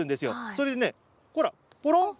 それでね、ほら、ぽろっ。